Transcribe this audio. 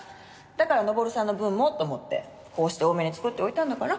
だから登さんの分もと思ってこうして多めに作っておいたんだから。